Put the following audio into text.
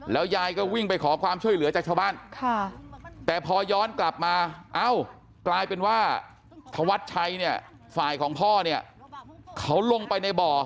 ยายก็วิ่งไปขอความช่วยเหลือจากชาวบ้านแต่พอย้อนกลับมาเอ้ากลายเป็นว่าธวัดชัยเนี่ยฝ่ายของพ่อเนี่ยเขาลงไปในบ่อ